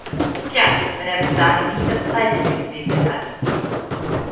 Tja, wenn er bis dahin nicht das Zeitliche gesegnet hat!